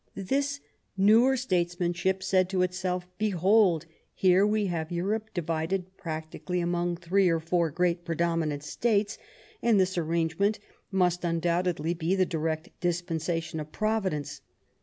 This newer statesmanship said to itself: "Behold! — ^here we have Europe divided practically among three or four great predominant states, and this arrangement must undoubtedly be the direct dispensation of Prov idence.